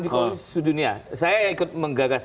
jokowi sudunia saya ikut menggagas